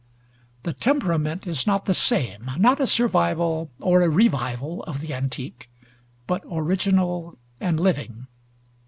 The temperament is not the same, not a survival or a revival of the antique, but original and living.